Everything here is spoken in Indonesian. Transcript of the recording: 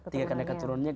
tiga karena keturunannya